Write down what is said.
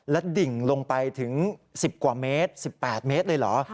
และดิ่งลงไปถึง๑๐กว่าเมตร๑๘เมตรเลยเหรอ